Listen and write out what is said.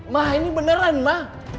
ma ini beneran ma